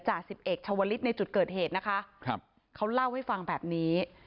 สิบเอกชาวลิศในจุดเกิดเหตุนะคะครับเขาเล่าให้ฟังแบบนี้